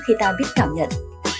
khi ta biết cảm nhận